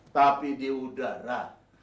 tapi di udara